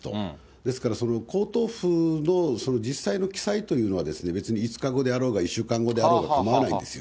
ですからその皇統譜の実際の記載というのは、別に５日後であろうが、１週間後であろうが構わないんですよ。